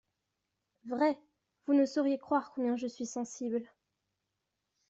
Vrai, vous ne sauriez croire combien je suis sensible !